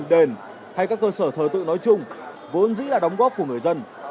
chùa đình đền hay các cơ sở thờ tự nói chung vốn dĩ là đóng góp của người dân